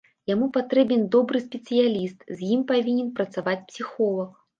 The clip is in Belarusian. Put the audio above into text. Яму патрэбен добры спецыяліст, з ім павінен працаваць псіхолаг.